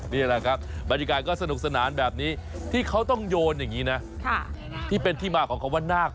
นี่แหละครับบริการก็สนุกสนานแบบนี้ที่เขาต้องโยนอย่างนี้นะ